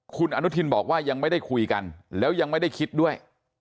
คุณอนุทินบอกว่ายังไม่ได้คุยกันแล้วยังไม่ได้คิดด้วย